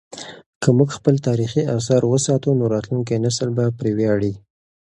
که موږ خپل تاریخي اثار وساتو نو راتلونکی نسل به پرې ویاړي.